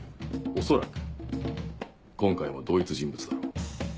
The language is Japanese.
恐らく今回も同一人物だろう。